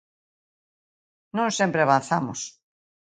Non sempre avanzamos.